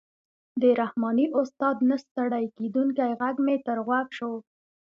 د رحماني استاد نه ستړی کېدونکی غږ مې تر غوږ شو.